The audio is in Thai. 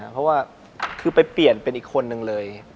เพราะว่าคือไปเปลี่ยนเป็นอีกคนนึงเลย